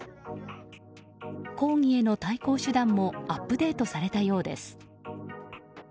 抗議への対抗手段もアップデートされたようです。